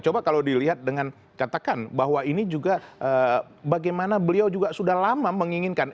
coba kalau dilihat dengan katakan bahwa ini juga bagaimana beliau juga sudah lama menginginkan